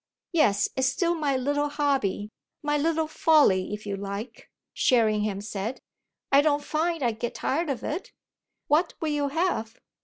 "Yes, it's still my little hobby, my little folly if you like," Sherringham said. "I don't find I get tired of it. What will you have?